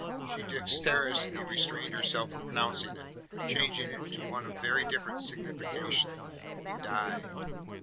She dexterously restrained herself from pronouncing it changing it to one of very different signification "die."